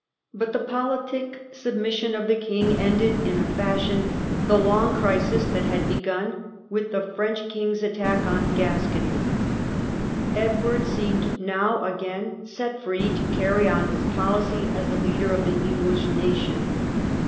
But the politic sub mission of the king ended in a fashion the long crisis that had begun with the French king's attack on Gascony. Edward seemed now again set free to carry on his policy as a leader of the English nation.